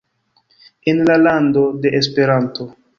en la lando de Esperanto